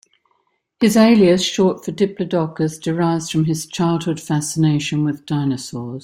His alias, short for "Diplodocus", derives from his childhood fascination with dinosaurs.